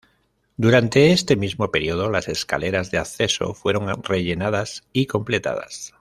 Durante este mismo periodo las escaleras de acceso fueron rellenadas y completadas.